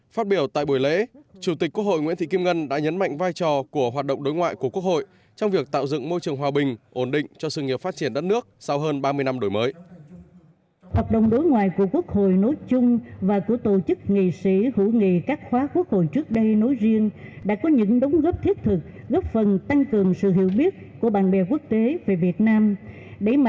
phát biểu tại buổi lễ chủ tịch quốc hội nguyễn thị kim ngân đã nhấn mạnh vai trò của hoạt động đối ngoại của quốc hội trong việc tạo dựng môi trường hòa bình ổn định cho sự nghiệp phát triển đất nước sau hơn ba mươi năm đổi mới